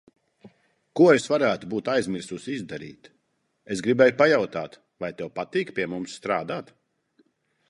Ko varētu būt aizmirsusi izdarīt.– Es gribēju pajautāt vai tev patīk pie mums strādāt?